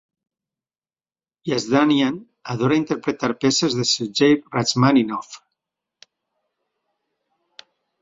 Yazdanian adora interpretar peces de Sergei Rachmaninov.